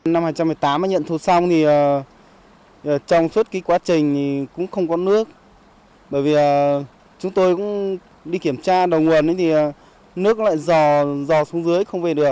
năm hai nghìn một mươi tám mà nhận thu xong thì trong suốt quá trình cũng không có nước bởi vì chúng tôi cũng đi kiểm tra đầu nguồn thì nước lại dò xuống dưới